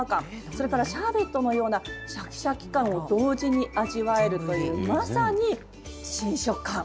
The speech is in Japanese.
それからシャーベットのようなシャキシャキ感を同時に味わえるというまさに新食感。